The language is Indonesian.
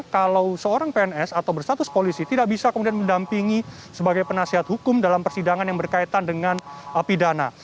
kalau seorang pns atau bersatus polisi tidak bisa kemudian mendampingi sebagai penasihat hukum dalam persidangan yang berkaitan dengan pidana